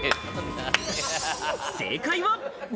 正解は。